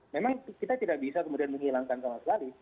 memang kita tidak bisa kemudian menghilangkan sama sekali